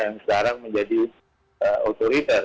yang sekarang menjadi otoriter